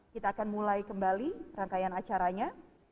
kita akan mulai kembali rangkaian acaranya